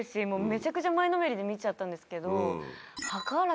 めちゃくちゃ前のめりで見ちゃったんですけど。